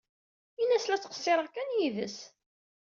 Ini-as la ttqeṣṣireɣ kan yid-s.